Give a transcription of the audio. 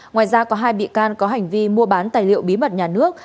ngoài ra có hai bị can có hành vi mua bán tài liệu bí mật nhà nước